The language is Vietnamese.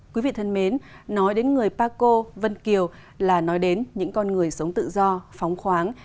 quý vị thân mến nói đến người paco vân kiều là nói đến những con người sống tự do phóng khoáng